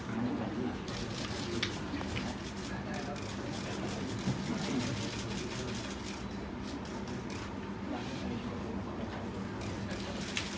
สวัสดีทุกคนขอบคุณค่ะ